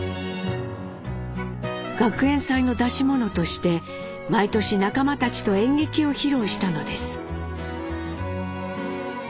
学園祭の出し物として毎年仲間たちと演劇を披露したのです。